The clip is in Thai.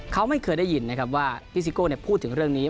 เขาไม่เคยได้ยินว่าฟิซิโก้พูดถึงเรื่องนี้